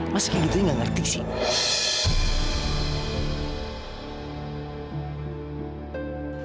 masa kayak gitu dia gak ngerti sih